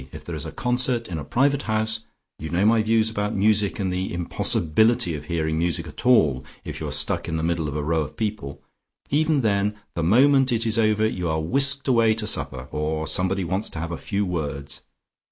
If there is a concert in a private house you know my views about music and the impossibility of hearing music at all if you are stuck in the middle of a row of people even then, the moment it is over you are whisked away to supper, or somebody wants to have a few words.